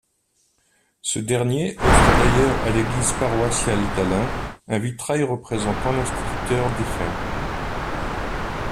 Ce dernier offre d'ailleurs à l'église paroissiale d'Allain, un vitrail représentant l'instituteur défunt.